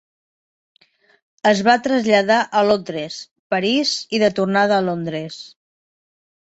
Es va traslladar a Londres, París i de tornada a Londres.